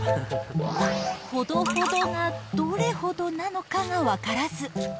ほどほどがどれほどなのかが分からず。